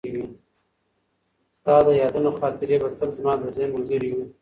ستا د یادونو خاطرې به تل زما د ذهن ملګرې وي.